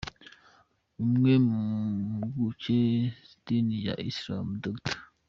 Umwe mu mpuguke z’Idini ya Isilamu, Dr.